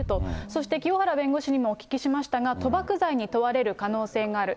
そして清原弁護士にもお聞きしましたが、賭博罪に問われる可能性がある。